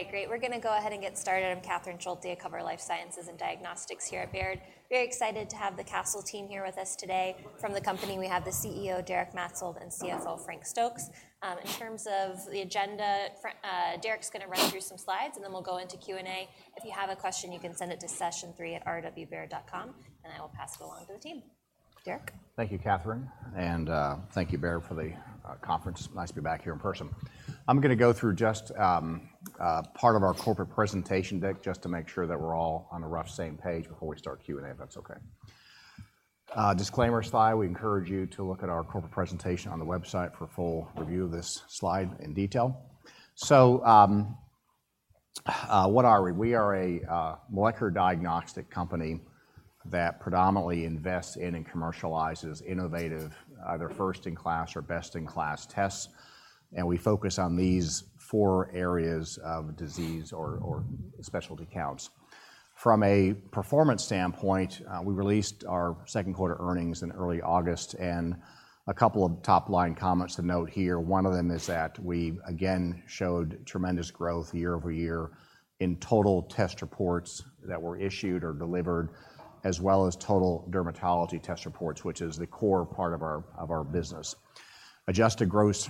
All right, great. We're gonna go ahead and get started. I'm Catherine Schulte. I cover life sciences and diagnostics here at Baird. Very excited to have the Castle team here with us today. From the company, we have the CEO, Derek Maetzold, and CFO, Frank Stokes. In terms of the agenda, Derek's gonna run through some slides, and then we'll go into Q&A. If you have a question, you can send it to sessionthree@rwbaird.com, and I will pass it along to the team. Derek? Thank you, Catherine, and, thank you, Baird, for the, conference. Nice to be back here in person. I'm gonna go through just, part of our corporate presentation deck, just to make sure that we're all on the rough same page before we start Q&A, if that's okay. Disclaimer slide, we encourage you to look at our corporate presentation on the website for a full review of this slide in detail. What are we? We are a molecular diagnostic company that predominantly invests in and commercializes innovative, either first-in-class or best-in-class tests, and we focus on these four areas of disease or specialty counts. From a performance standpoint, we released our second quarter earnings in early August, and a couple of top-line comments to note here. One of them is that we, again, showed tremendous growth year-over-year in total test reports that were issued or delivered, as well as total dermatology test reports, which is the core part of our business. Adjusted gross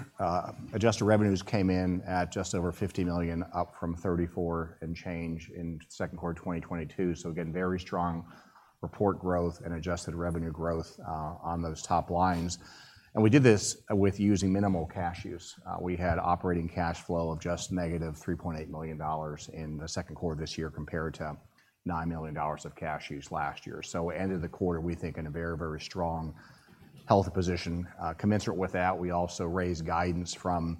adjusted revenues came in at just over $50 million, up from $34 and change in second quarter of 2022. So again, very strong report growth and adjusted revenue growth on those top lines, and we did this with using minimal cash use. We had operating cash flow of just negative $3.8 million in the second quarter of this year, compared to $9 million of cash use last year. So ended the quarter, we think, in a very, very strong health position. Commensurate with that, we also raised guidance from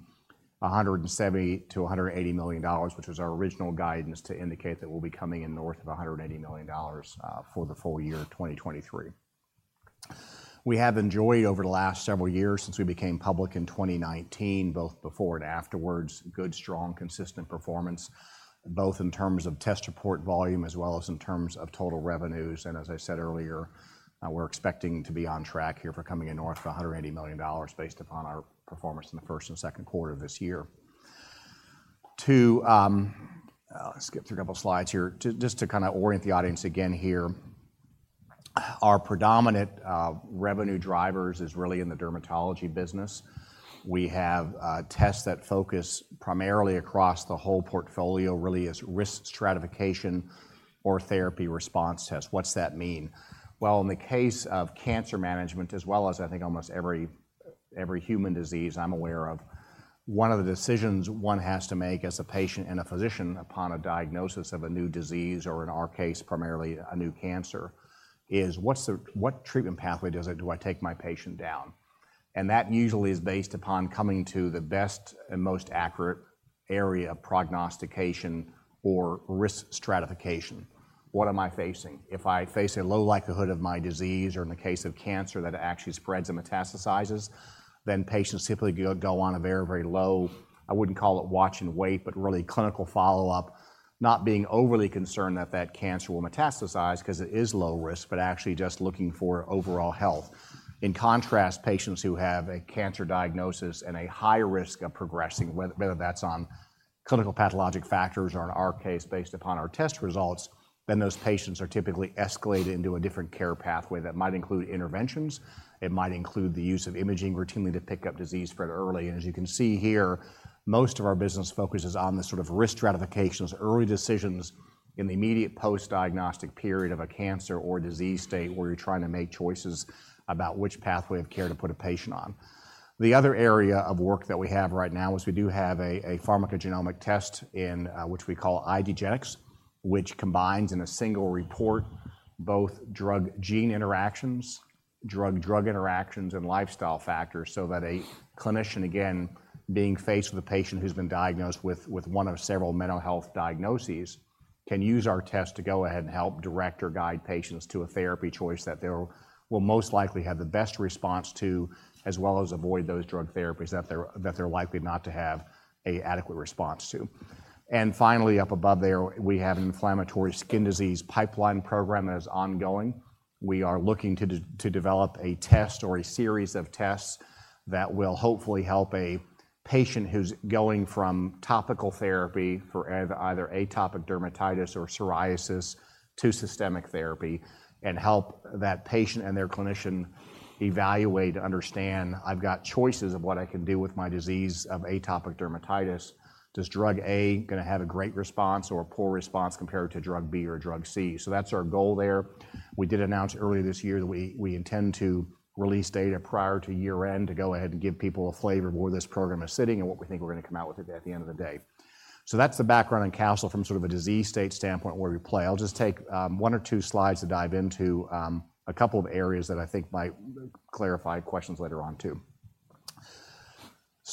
$170 million to $180 million, which was our original guidance, to indicate that we'll be coming in north of $180 million for the full year 2023. We have enjoyed over the last several years, since we became public in 2019, both before and afterwards, good, strong, consistent performance, both in terms of test report volume as well as in terms of total revenues. As I said earlier, we're expecting to be on track here for coming in north of $180 million based upon our performance in the first and second quarter of this year. Let's skip through a couple of slides here. Just to kind of orient the audience again here, our predominant revenue drivers is really in the dermatology business. We have tests that focus primarily across the whole portfolio, really as risk stratification or therapy response test. What's that mean? Well, in the case of cancer management, as well as I think almost every human disease I'm aware of, one of the decisions one has to make as a patient and a physician upon a diagnosis of a new disease, or in our case, primarily a new cancer, is what's the what treatment pathway does it do I take my patient down? That usually is based upon coming to the best and most accurate area of prognostication or risk stratification. What am I facing? If I face a low likelihood of my disease, or in the case of cancer, that it actually spreads and metastasizes, then patients simply go on a very, very low, I wouldn't call it watch and wait, but really clinical follow-up, not being overly concerned that that cancer will metastasize 'cause it is low risk, but actually just looking for overall health. In contrast, patients who have a cancer diagnosis and a higher risk of progressing, whether that's on clinical pathologic factors or in our case, based upon our test results, then those patients are typically escalated into a different care pathway. That might include interventions, it might include the use of imaging routinely to pick up disease spread early, and as you can see here, most of our business focuses on the sort of risk stratifications, early decisions in the immediate post-diagnostic period of a cancer or disease state, where you're trying to make choices about which pathway of care to put a patient on. The other area of work that we have right now is we do have a pharmacogenomic test in which we call IDgenetix, which combines in a single report, both drug-gene interactions, drug-drug interactions, and lifestyle factors. That a clinician, again, being faced with a patient who's been diagnosed with one of several mental health diagnoses, can use our test to go ahead and help direct or guide patients to a therapy choice that they'll will most likely have the best response to, as well as avoid those drug therapies that they're likely not to have an adequate response to. Finally, up above there, we have an inflammatory skin disease pipeline program that is ongoing. We are looking to develop a test or a series of tests that will hopefully help a patient who's going from topical therapy for either atopic dermatitis or psoriasis, to systemic therapy, and help that patient and their clinician evaluate, understand, "I've got choices of what I can do with my disease of atopic dermatitis. Does drug A gonna have a great response or a poor response compared to drug B or drug C?" So that's our goal there. We did announce earlier this year that we intend to release data prior to year-end to go ahead and give people a flavor of where this program is sitting and what we think we're gonna come out with it at the end of the day, so that's the background on Castle from sort of a disease state standpoint, where we play. I'll just take one or two slides to dive into a couple of areas that I think might clarify questions later on, too.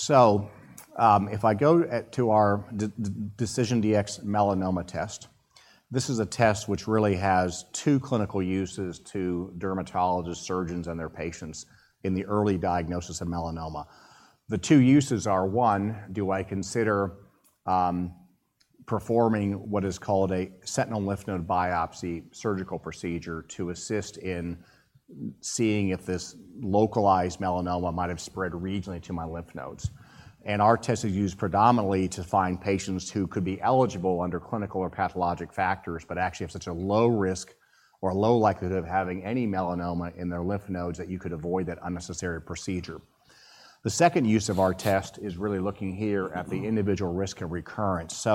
If I go to our DecisionDx-Melanoma test, this is a test which really has two clinical uses to dermatologists, surgeons, and their patients in the early diagnosis of melanoma. The two uses are, one, do I consider performing what is called a sentinel lymph node biopsy surgical procedure to assist in seeing if this localized melanoma might have spread regionally to my lymph nodes. Our test is used predominantly to find patients who could be eligible under clinical or pathologic factors, but actually have such a low risk or a low likelihood of having any melanoma in their lymph nodes, that you could avoid that unnecessary procedure. The second use of our test is really looking here at the individual risk of recurrence.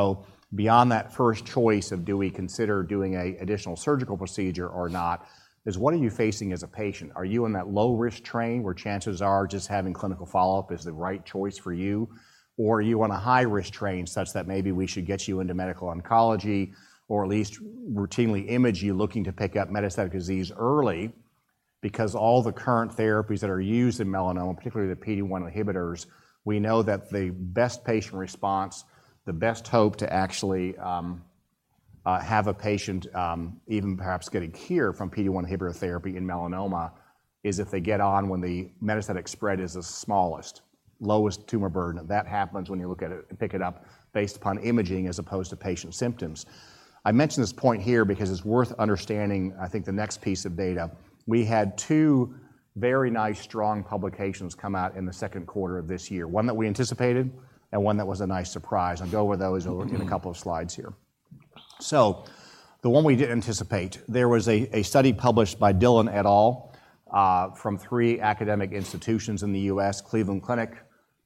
Beyond that first choice of do we consider doing a additional surgical procedure or not, is: What are you facing as a patient? Are you in that low-risk train, where chances are just having clinical follow-up is the right choice for you, or are you on a high-risk train, such that maybe we should get you into medical oncology, or at least routinely image you, looking to pick up metastatic disease early? All the current therapies that are used in melanoma, particularly the PD-1 inhibitors, we know that the best patient response, the best hope to actually have a patient even perhaps getting cure from PD-1 inhibitor therapy in melanoma, is if they get on when the metastatic spread is the smallest, lowest tumor burden. And that happens when you look at it and pick it up based upon imaging, as opposed to patient symptoms. I mention this point here because it's worth understanding, I think, the next piece of data. We had two very nice, strong publications come out in the second quarter of this year, one that we anticipated and one that was a nice surprise. I'll go over those over in a couple of slides here. The one we did anticipate, there was a study published by Dhillon et al. from three academic institutions in the US: Cleveland Clinic,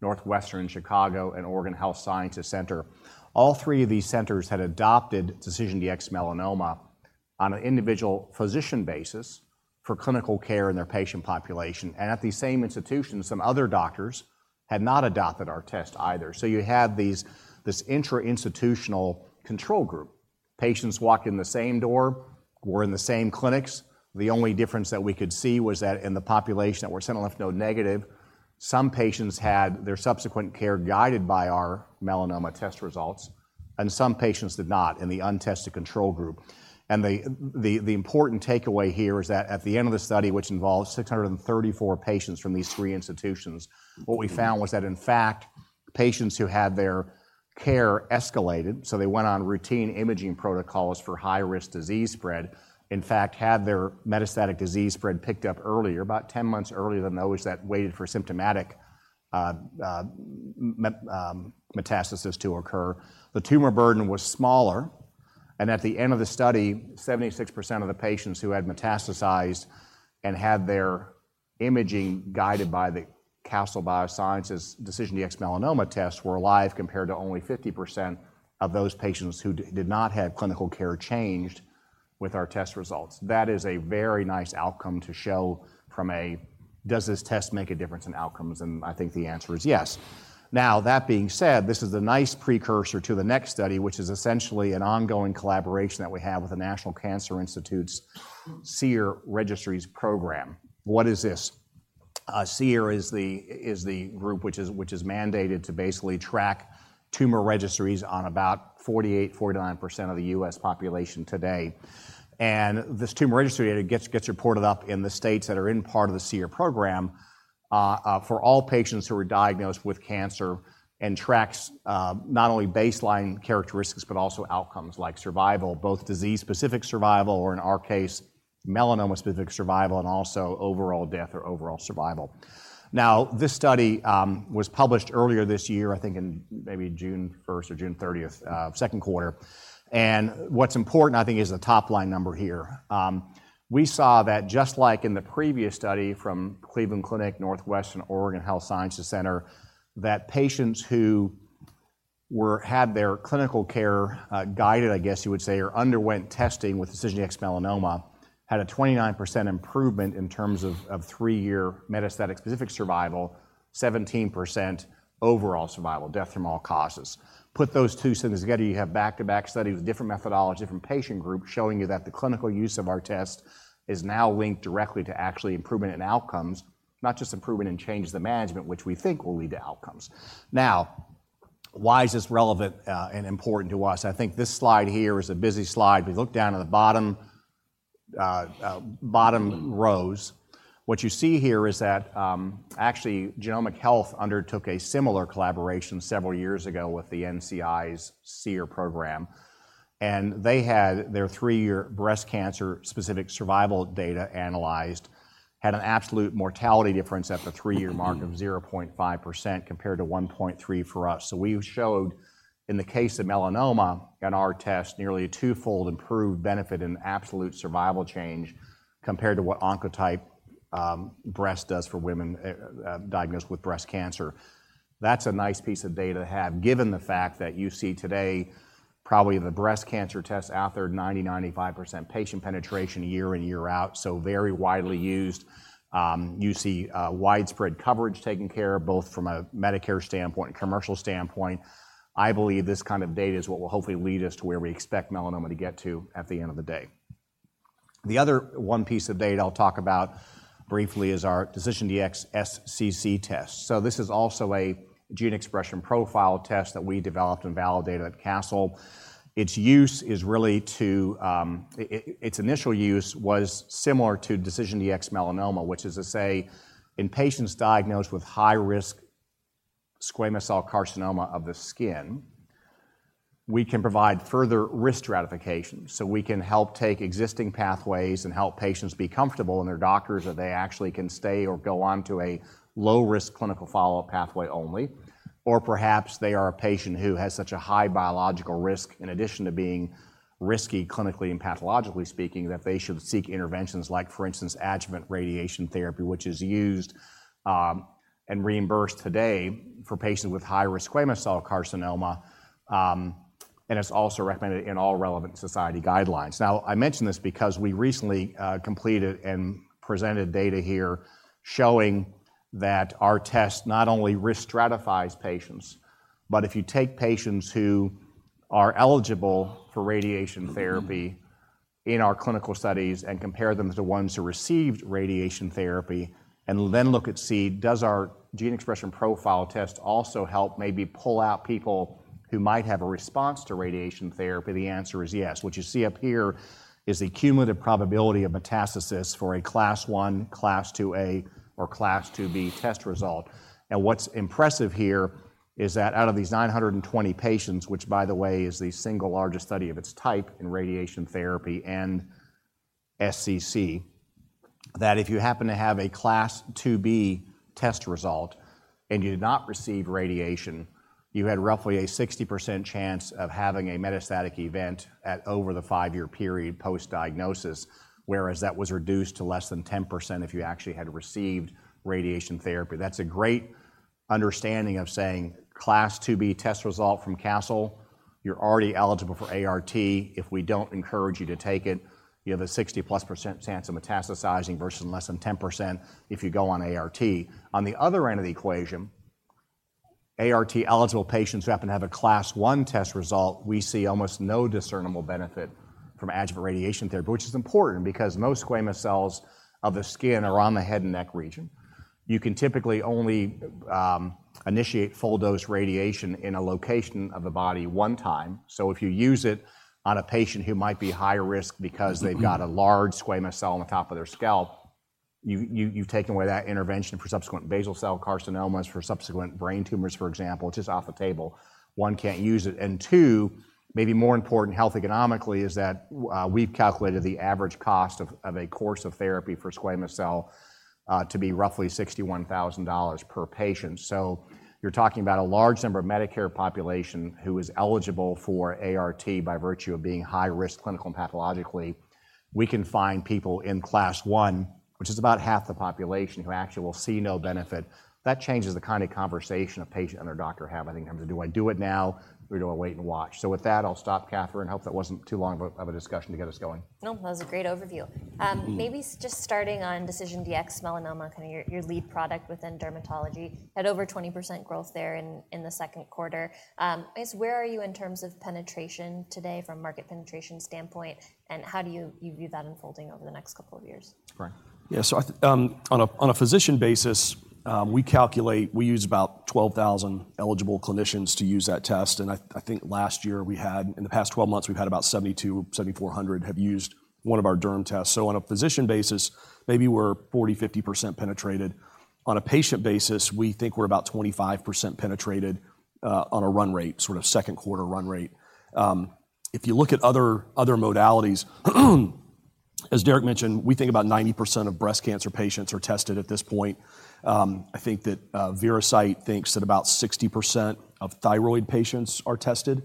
Northwestern Chicago, and Oregon Health & Science University. All three of these centers had adopted DecisionDx-Melanoma on an individual physician basis for clinical care in their patient population, and at these same institutions, some other doctors had not adopted our test either, so you had this intra-institutional control group. Patients walked in the same door, were in the same clinics. The only difference that we could see was that in the population that were sentinel lymph node negative, some patients had their subsequent care guided by our melanoma test results, and some patients did not, in the untested control group. The important takeaway here is that at the end of the study, which involved 634 patients from these three institutions- What we found was that, in fact, patients who had their care escalated, so they went on routine imaging protocols for high-risk disease spread, in fact, had their metastatic disease spread picked up earlier, about 10 months earlier than those that waited for symptomatic metastasis to occur. The tumor burden was smaller, and at the end of the study, 76% of the patients who had metastasized and had their imaging guided by the Castle Biosciences DecisionDx-Melanoma tests were alive, compared to only 50% of those patients who did not have clinical care changed with our test results. That is a very nice outcome to show from a, "Does this test make a difference in outcomes?" And I think the answer is yes. Now, that being said, this is a nice precursor to the next study, which is essentially an ongoing collaboration that we have with the National Cancer Institute's SEER Registries Program. What is this? SEER is the group which is mandated to basically track tumor registries on about 48-49% of the U.S. population today. And this tumor registry, it gets reported up in the states that are in part of the SEER program, for all patients who are diagnosed with cancer, and tracks not only baseline characteristics, but also outcomes like survival, both disease-specific survival, or in our case, melanoma-specific survival, and also overall death or overall survival. Now, this study was published earlier this year, I think in maybe June first or June thirtieth, second quarter. And what's important, I think, is the top-line number here. We saw that just like in the previous study from Cleveland Clinic, Northwestern, Oregon Health & Science University, that patients who had their clinical care guided, I guess you would say, or underwent testing with DecisionDx-Melanoma, had a 29% improvement in terms of three-year metastatic-specific survival, 17% overall survival, death from all causes. Put those two sentences together, you have back-to-back studies with different methodology from patient groups, showing you that the clinical use of our test is now linked directly to actually improvement in outcomes, not just improvement in change the management, which we think will lead to outcomes. Now, why is this relevant and important to us? I think this slide here is a busy slide. We look down to the bottom rows. What you see here is that, actually, Genomic Health undertook a similar collaboration several years ago with the NCI's SEER program, and they had their three-year breast cancer-specific survival data analyzed, had an absolute mortality difference at the three-year mark of 0.5%, compared to 1.3 for us. So we showed, in the case of melanoma, in our test, nearly a twofold improved benefit in absolute survival change, compared to what Oncotype breast does for women diagnosed with breast cancer. That's a nice piece of data to have, given the fact that you see today, probably the breast cancer test out there, 90-95% patient penetration, year in, year out, so very widely used. You see, widespread coverage taken care of, both from a Medicare standpoint and commercial standpoint. I believe this kind of data is what will hopefully lead us to where we expect melanoma to get to at the end of the day. The other one piece of data I'll talk about briefly is our DecisionDx-SCC test. This is also a gene expression profile test that we developed and validated at Castle. Its use is really to, its initial use was similar to DecisionDx-Melanoma, which is to say, in patients diagnosed with high-risk squamous cell carcinoma of the skin, we can provide further risk stratification. We can help take existing pathways and help patients be comfortable in their doctors, that they actually can stay or go on to a low-risk clinical follow-up pathway only, or perhaps they are a patient who has such a high biological risk, in addition to being risky, clinically and pathologically speaking, that they should seek interventions like, for instance, adjuvant radiation therapy, which is used and reimbursed today for patients with high-risk squamous cell carcinoma, and it's also recommended in all relevant society guidelines. Now, I mention this because we recently completed and presented data here showing that our test not only risk stratifies patients, but if you take patients who are eligible for radiation therapy in our clinical studies and compare them to ones who received radiation therapy, and then look and see, does our gene expression profile test also help maybe pull out people who might have a response to radiation therapy? The answer is yes. What you see up here is the cumulative probability of metastasis for a Class 1, Class 2A, or Class 2B test result. What's impressive here is that out of these 920 patients, which by the way, is the single largest study of its type in radiation therapy and SCC, that if you happen to have a Class 2B test result and you did not receive radiation, you had roughly a 60% chance of having a metastatic event at over the 5-year period post-diagnosis, whereas that was reduced to less than 10% if you actually had received radiation therapy. That's a great understanding of saying Class 2B test result from Castle, you're already eligible for ART. If we don't encourage you to take it, you have a 60+% chance of metastasizing, versus less than 10% if you go on ART. On the other end of the equation, ART-eligible patients who happen to have a Class 1 test result, we see almost no discernible benefit from adjuvant radiation therapy, which is important because most squamous cells of the skin are on the head and neck region. You can typically only initiate full-dose radiation in a location of the body one time. If you use it on a patient who might be high risk because they've got a large squamous cell on the top of their scalp, you've taken away that intervention for subsequent basal cell carcinomas, for subsequent brain tumors, for example. It's just off the table. One, can't use it, and two, maybe more important health economically, is that we've calculated the average cost of a course of therapy for squamous cell to be roughly $61,000 per patient. So you're talking about a large number of Medicare population who is eligible for ART by virtue of being high risk, clinical and pathologically. We can find people in Class one, which is about half the population, who actually will see no benefit. That changes the kind of conversation a patient and their doctor have, I think, in terms of, "Do I do it now, or do I wait and watch?" With that, I'll stop, Catherine, and hope that wasn't too long of a discussion to get us going. No, that was a great overview. Mm-hmm. Maybe just starting on DecisionDx-Melanoma, kind of your lead product within dermatology, had over 20% growth there in the second quarter. Where are you in terms of penetration today, from a market penetration standpoint, and how do you view that unfolding over the next couple of years? Frank? Yeah. On a physician basis, we calculate. We use about 12,000 eligible clinicians to use that test, and I think last year we had in the past twelve months, we've had about 7,200-7,400 have used one of our derm tests. So on a physician basis, maybe we're 40-50% penetrated. On a patient basis, we think we're about 25% penetrated on a run rate, sort of second quarter run rate. If you look at other modalities, as Derek mentioned, we think about 90% of breast cancer patients are tested at this point. Veracyte thinks that about 60% of thyroid patients are tested.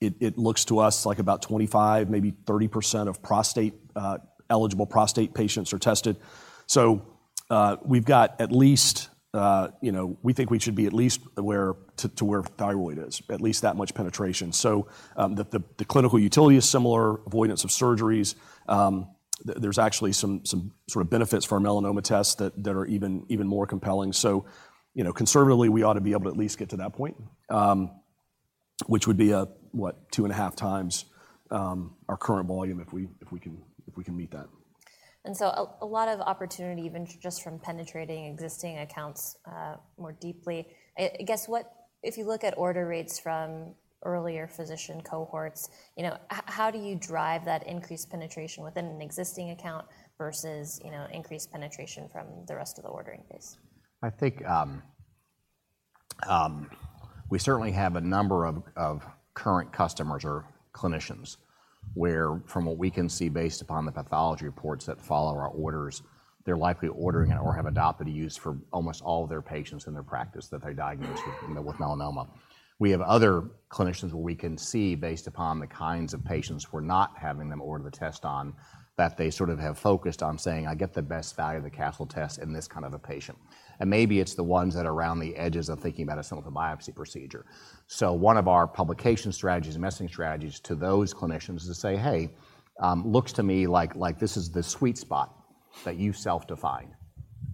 It looks to us like about 25%, maybe 30% of prostate eligible prostate patients are tested. We've got at least, you know, we think we should be at least where to, to where thyroid is, at least that much penetration, so the clinical utility is similar, avoidance of surgeries. There's actually some sort of benefits for our melanoma tests that are even more compelling, so conservatively, we ought to be able to at least get to that point, which would be a, what? 2.5 times our current volume, if we can meet that. A lot of opportunity, even just from penetrating existing accounts more deeply. If you look at order rates from earlier physician cohorts, how do you drive that increased penetration within an existing account versus, you know, increased penetration from the rest of the ordering base? We certainly have a number of current customers or clinicians, where from what we can see, based upon the pathology reports that follow our orders, they're likely ordering it or have adopted a use for almost all of their patients in their practice that they diagnose with, you know, with melanoma. We have other clinicians where we can see, based upon the kinds of patients we're not having them order the test on, that they sort of have focused on saying, "I get the best value of the Castle test in this kind of a patient." Maybe it's the ones that are around the edges of thinking about some of the biopsy procedure, so one of our publication strategies and messaging strategies to those clinicians is to say, "Hey, looks to me like this is the sweet spot that you've self-defined.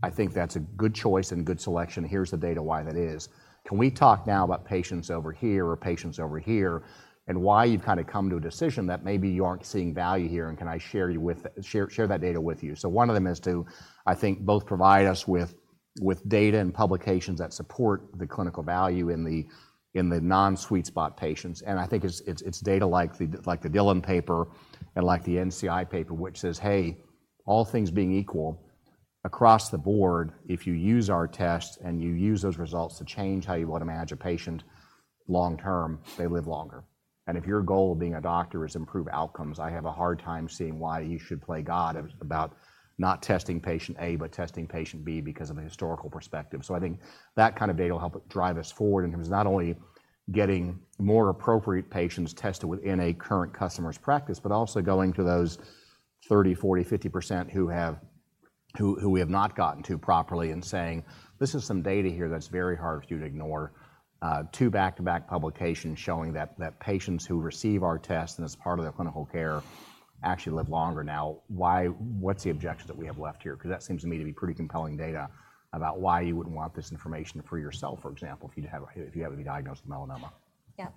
That's a good choice and a good selection. Here's the data, why that is. Can we talk now about patients over here or patients over here, and why you've kind of come to a decision that maybe you aren't seeing value here, and can I share you with... share, share that data with you? One of them is to, I think, both provide us with, with data and publications that support the clinical value in the, in the non-sweet spot patients. It's data like the Dhillon paper and like the NCI paper, which says, "Hey, all things being equal-"... across the board, if you use our tests, and you use those results to change how you would manage a patient long term, they live longer. If your goal of being a doctor is improve outcomes, I have a hard time seeing why you should play God about not testing patient A, but testing patient B because of the historical perspective. That kind of data will help drive us forward in terms of not only getting more appropriate patients tested within a current customer's practice, but also going to those 30, 40, 50% who we have not gotten to properly and saying, "This is some data here that's very hard for you to ignore." Two back-to-back publications showing that patients who receive our test, and as part of their clinical care, actually live longer. Now, what's the objection that we have left here? Because that seems to me to be pretty compelling data about why you wouldn't want this information for yourself, for example, if you have a diagnosis of melanoma. Yeah.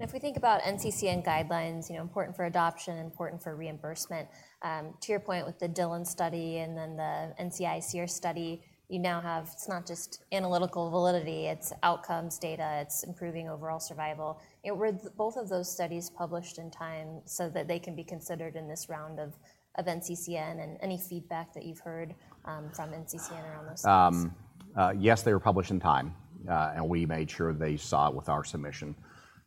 If we think about NCCN guidelines, you know, important for adoption, important for reimbursement. To your point with the Dhillon study and then the NCI SEER study, you now have... It's not just analytical validity, it's outcomes data, it's improving overall survival. Were both of those studies published in time so that they can be considered in this round of NCCN and any feedback that you've heard from NCCN around those studies? Yes, they were published in time, and we made sure they saw it with our submission.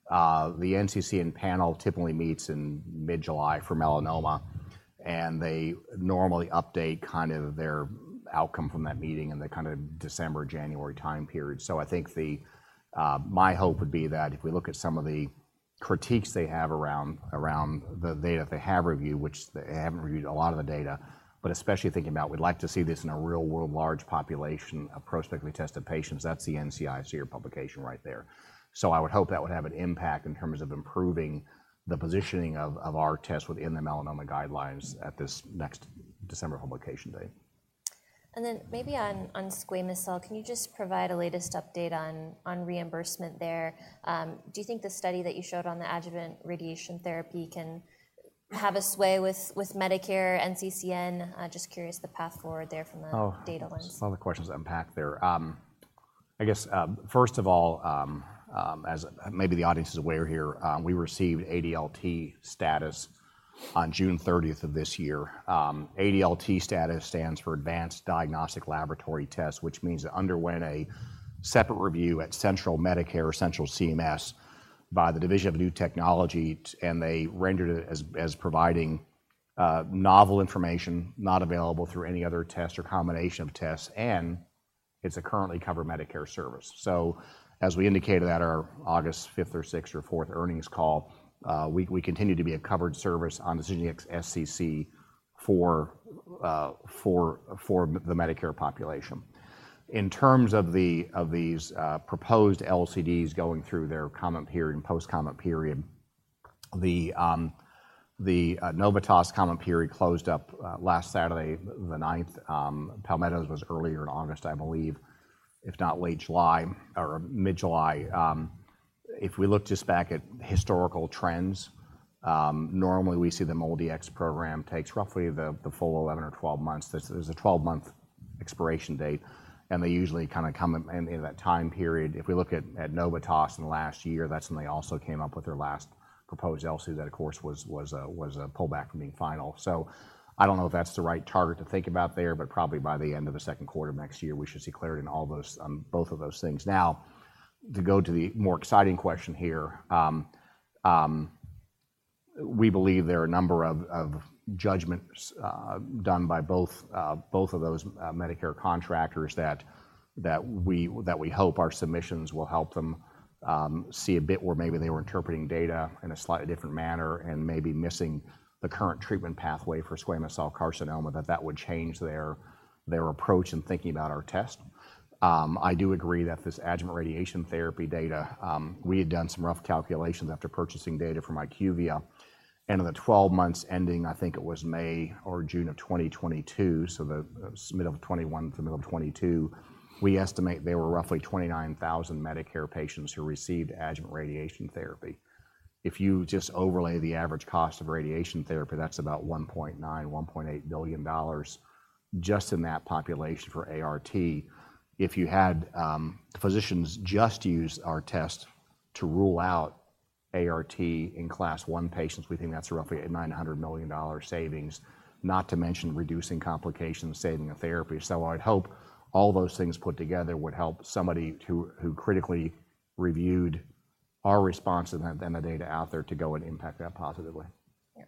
The NCCN panel typically meets in mid-July for melanoma, and they normally update kind of their outcome from that meeting in the kind of December, January time period. My hope would be that if we look at some of the critiques they have around the data that they have reviewed, which they haven't reviewed a lot of the data, but especially thinking about, we'd like to see this in a real-world, large population of prospectively tested patients. That's the NCI SEER publication right there. So I would hope that would have an impact in terms of improving the positioning of our test within the melanoma guidelines at this next December publication date. Then maybe on squamous cell, can you just provide a latest update on reimbursement there? Do you think the study that you showed on the adjuvant radiation therapy can have a sway with Medicare, NCCN? Just curious, the path forward there from the data lens. Oh, there's a lot of questions to unpack there. I guess, first of all, as maybe the audience is aware here, we received ADLT status on June thirtieth of this year. ADLT status stands for Advanced Diagnostic Laboratory Test, which means it underwent a separate review at Central Medicare or Central CMS by the Division of New Technology, and they rendered it as providing novel information not available through any other test or combination of tests, and it's a currently covered Medicare service. So as we indicated at our August fifth or sixth or fourth earnings call, we continue to be a covered service on the DecisionDx-SCC for the Medicare population. In terms of these proposed LCDs going through their comment period and post-comment period, the Novitas comment period closed up last Saturday, the ninth. Palmetto's was earlier in August, I believe, if not late July or mid-July. If we look just back at historical trends, normally we see the MoIDX program takes roughly the full 11 or 12 months. There's a 12-month expiration date, and they usually kind of come in that time period. If we look at Novitas in the last year, that's when they also came up with their last proposed LCD. That, of course, was a pullback from being final. I don't know if that's the right target to think about there, but probably by the end of the second quarter next year, we should see clarity in all those, both of those things. Now, to go to the more exciting question here, we believe there are a number of judgments done by both of those Medicare contractors that we hope our submissions will help them see a bit where maybe they were interpreting data in a slightly different manner and maybe missing the current treatment pathway for squamous cell carcinoma, that would change their approach in thinking about our test. I do agree that this adjuvant radiation therapy data, we had done some rough calculations after purchasing data from IQVIA, and in the 12 months ending, I think it was May or June of 2022, so the mid of 2021 to the middle of 2022, we estimate there were roughly 29,000 Medicare patients who received adjuvant radiation therapy. If you just overlay the average cost of radiation therapy, that's about 1.8 billion dollars just in that population for ART. If you had physicians just use our test to rule out ART in Class 1 patients, we think that's roughly a $900 million savings, not to mention reducing complications, saving a therapy. I'd hope all those things put together would help somebody who critically reviewed our response and then the data out there to go and impact that positively. Yeah.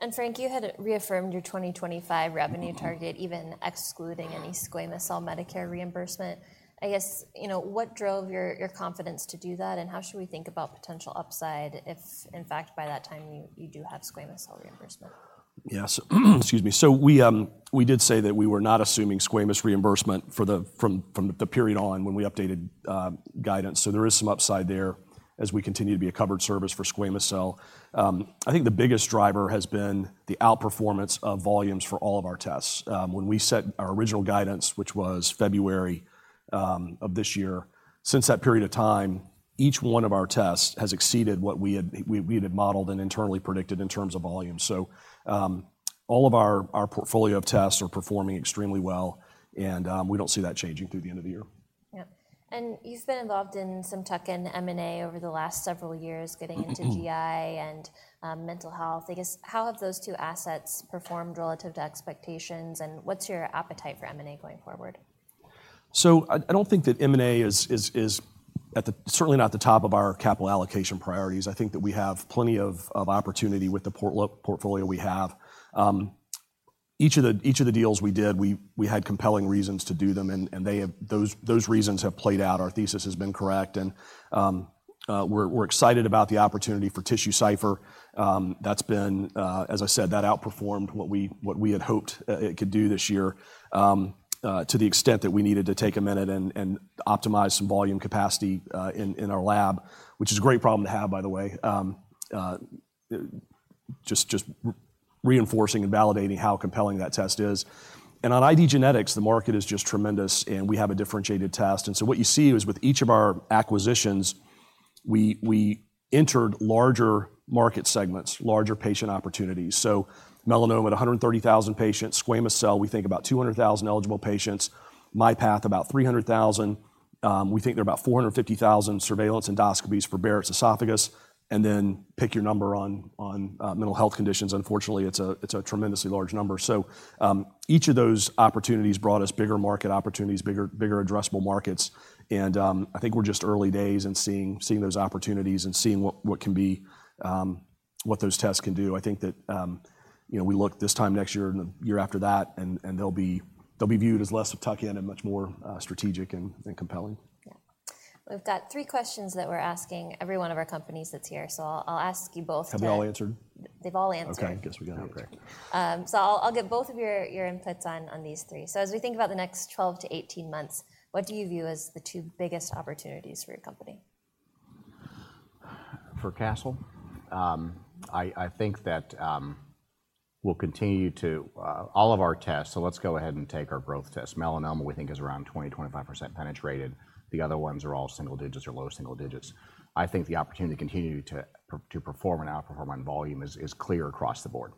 And Frank, you had reaffirmed your 2025 revenue target, even excluding any squamous cell Medicare reimbursement. I guess, you know, what drove your, your confidence to do that, and how should we think about potential upside if, in fact, by that time you, you do have squamous cell reimbursement? Yes. Excuse me. So we did say that we were not assuming squamous reimbursement for the from the period on when we updated guidance. So there is some upside there as we continue to be a covered service for squamous cell. I think the biggest driver has been the outperformance of volumes for all of our tests. When we set our original guidance, which was February of this year, since that period of time, each one of our tests has exceeded what we had modeled and internally predicted in terms of volume. So all of our portfolio of tests are performing extremely well, and we don't see that changing through the end of the year. Yeah, and you've been involved in some tuck-in M&A over the last several years, getting into GI and mental health. I guess, how have those two assets performed relative to expectations, and what's your appetite for M&A going forward? I don't think that M&A is certainly not the top of our capital allocation priorities. I think that we have plenty of opportunity with the portfolio we have. Each of the deals we did, we had compelling reasons to do them, and they have—those reasons have played out. Our thesis has been correct, and we're excited about the opportunity for TissueCypher. That's been, as I said, that outperformed what we had hoped it could do this year. To the extent that we needed to take a minute and optimize some volume capacity in our lab, which is a great problem to have, by the way. Just reinforcing and validating how compelling that test is. On IDgenetix, the market is just tremendous, and we have a differentiated test. So what you see is, with each of our acquisitions, we, we entered larger market segments, larger patient opportunities. Melanoma at 130,000 patients, squamous cell, we think about 200,000 eligible patients, MyPath, about 300,000. We think there are about 450,000 surveillance endoscopies for Barrett's esophagus, and then pick your number on, on, mental health conditions. Unfortunately, it's a, it's a tremendously large number. So, each of those opportunities brought us bigger market opportunities, bigger, bigger addressable markets, and, I think we're just early days and seeing, seeing those opportunities and seeing what, what can be, what those tests can do. I think that, you know, we look this time next year and the year after that, and they'll be viewed as less of tuck-in and much more strategic and compelling. Yeah. We've got three questions that we're asking every one of our companies that's here, so I'll ask you both to- Have they all answered? They've all answered. Okay, I guess we got to be quick. I'll get both of your inputs on these three. So as we think about the next 12-18 months, what do you view as the two biggest opportunities for your company? For Castle? I think that we'll continue to. All of our tests, so let's go ahead and take our growth test. Melanoma, we think, is around 20-25% penetrated. The other ones are all single digits or low single digits. I think the opportunity to continue to perform and outperform on volume is clear across the board.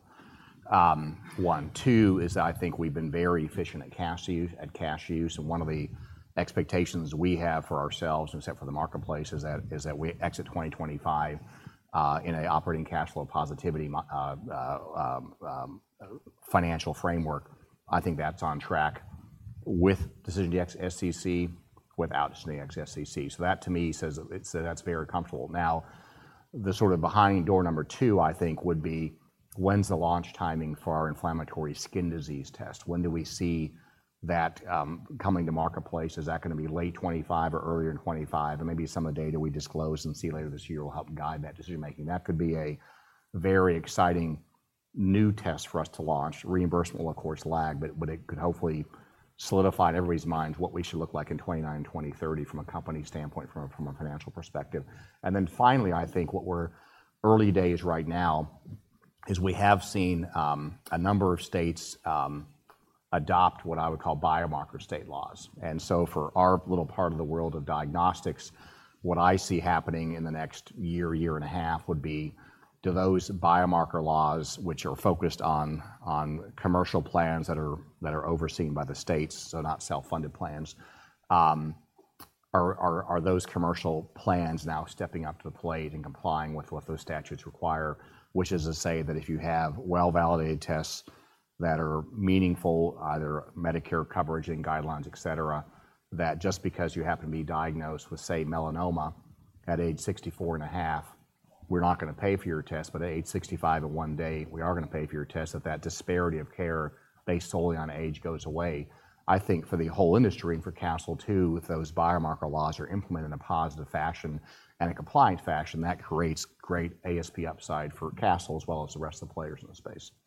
One, two, is that I think we've been very efficient at cash use, at cash use, and one of the expectations we have for ourselves, and so for the marketplace, is that we exit 2025 in an operating cash flow positivity financial framework. I think that's on track with DecisionDx-SCC, without DecisionDx-SCC. So that to me says that's very comfortable. Now, the sort of behind door number two, I think, would be: When's the launch timing for our inflammatory skin disease test? When do we see that coming to marketplace? Is that gonna be late 2025 or earlier in 2025? Maybe some of the data we disclose and see later this year will help guide that decision-making. That could be a very exciting new test for us to launch. Reimbursement will, of course, lag, but it could hopefully solidify in everybody's minds what we should look like in 2029, 2030 from a company standpoint, from a financial perspective. Then finally, I think what we're early days right now is we have seen a number of states adopt what I would call biomarker state laws. For our little part of the world of diagnostics, what I see happening in the next year, year and a half, would be, do those biomarker laws, which are focused on commercial plans that are those commercial plans now stepping up to the plate and complying with what those statutes require? Which is to say that if you have well-validated tests that are meaningful, either Medicare coverage and guidelines, etc., that just because you happen to be diagnosed with, say, melanoma at age 64.5, we're not gonna pay for your test, but at age 65 and one day, we are gonna pay for your test, that disparity of care based solely on age goes away. I think for the whole industry and for Castle, too, if those biomarker laws are implemented in a positive fashion and a compliant fashion, that creates great ASP upside for Castle as well as the rest of the players in the space. Yeah.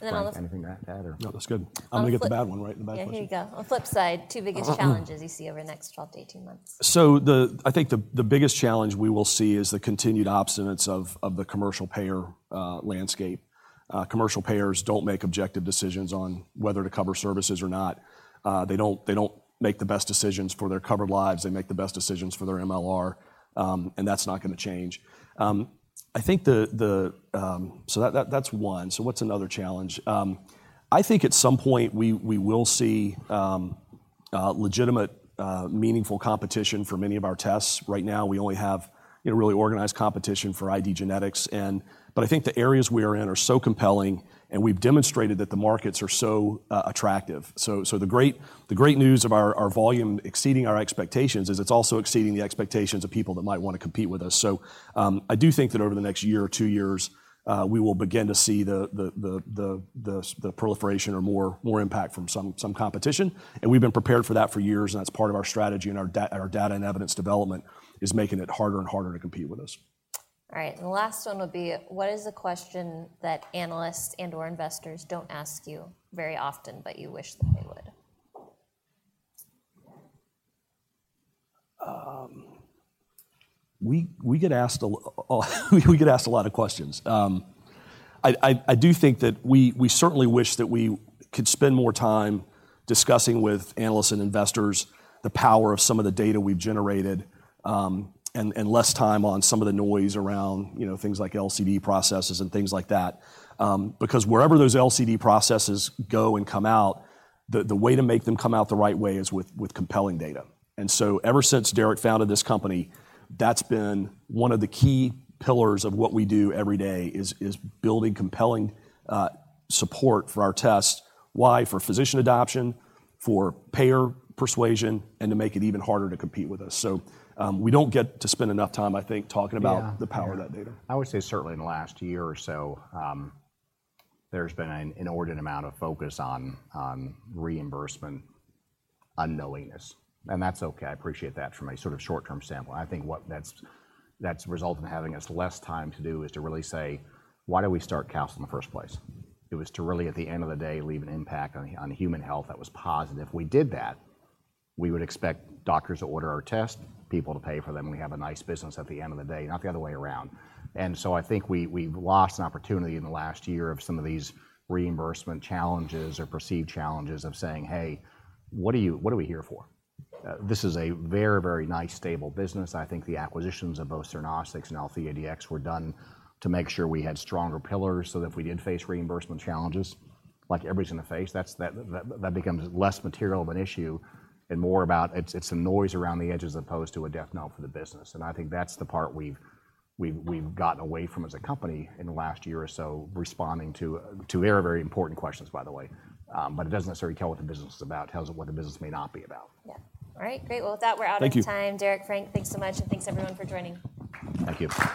Then all of- Frank, anything to add or? No, that's good. On flip- I'm gonna get the bad one right in the back. Yeah, here you go. On flip side, two biggest challenges you see over the next 12-18 months. The biggest challenge we will see is the continued obstinacy of the commercial payer landscape. Commercial payers don't make objective decisions on whether to cover services or not. They don't make the best decisions for their covered lives. They make the best decisions for their MLR, and that's not gonna change. I think... So that's one. So what's another challenge? I think at some point we will see legitimate meaningful competition for many of our tests. Right now, we only have, you know, really organized competition for IDgenetix and but I think the areas we are in are so compelling, and we've demonstrated that the markets are so attractive. The great news of our volume exceeding our expectations is it's also exceeding the expectations of people that might wanna compete with us. So I do think that over the next year or two years we will begin to see the proliferation or more impact from some competition, and we've been prepared for that for years, and that's part of our strategy, and our data and evidence development is making it harder and harder to compete with us. All right, and the last one would be: What is a question that analysts and/or investors don't ask you very often, but you wish that they would? We get asked a lot of questions. I do think that we certainly wish that we could spend more time discussing with analysts and investors the power of some of the data we've generated, and less time on some of the noise around, you know, things like LCD processes and things like that. Because wherever those LCD processes go and come out, the way to make them come out the right way is with compelling data. And so ever since Derek founded this company, that's been one of the key pillars of what we do every day, is building compelling support for our test. Why? For physician adoption, for payer persuasion, and to make it even harder to compete with us. We don't get to spend enough time, I think, talking about the power of that data. I would say certainly in the last year or so, there's been an inordinate amount of focus on reimbursement unknowingness, and that's okay. I appreciate that from a sort of short-term standpoint. I think what that's resulted in having us less time to do is to really say: Why did we start Castle in the first place? It was to really, at the end of the day, leave an impact on human health that was positive. If we did that, we would expect doctors to order our test, people to pay for them, and we have a nice business at the end of the day, not the other way around. We've lost an opportunity in the last year of some of these reimbursement challenges or perceived challenges of saying, "Hey, what are we here for?" This is a very, very nice, stable business. I think the acquisitions of both Cernostics and AltheaDx were done to make sure we had stronger pillars, so that if we did face reimbursement challenges, like everybody's gonna face, that becomes less material of an issue and more about it's a noise around the edges, as opposed to a death knell for the business. That's the part we've gotten away from as a company in the last year or so, responding to very, very important questions, by the way. It doesn't necessarily tell what the business is about. Tells you what the business may not be about. Yeah. All right, great. Well, with that, we're out of time. Thank you. Derek, Frank, thanks so much, and thanks, everyone, for joining. Thank you.